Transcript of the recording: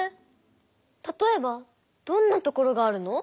たとえばどんなところがあるの？